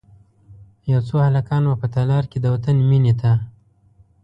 یو څو هلکان به په تالار کې، د وطن میینې ته،